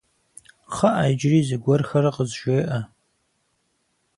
Кхъыӏэ, иджыри зыгуэрхэр къызжеӏэ.